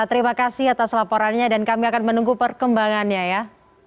terima kasih atas laporannya dan kami akan menunggu perkembangannya ya